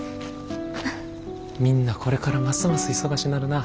みんなこれからますます忙しなるな。